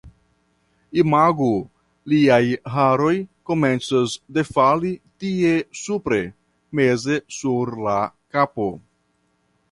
Imagu, liaj haroj komencas defali tie supre, meze sur la kapo.